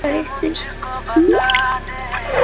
যতদিন তার মা বাঁচিয়া ছিল কোনো বিপদ ঘটে নাই।